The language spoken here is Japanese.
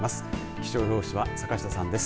気象予報士は坂下さんです。